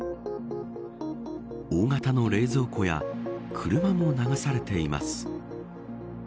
大型の冷蔵庫や車も流されています。